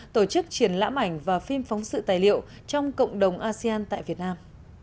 tổ chức triển lãm ảnh và phim phóng sự tài liệu trong cộng đồng asean tại việt nam